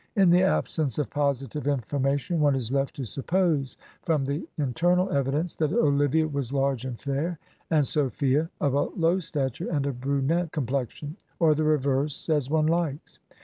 In the absence of positive information one is left to suppose from the in ternal evidence that Olivia was large and fair, and Sophia of a low stature and a brunette complexion; or the reverse, as one likes.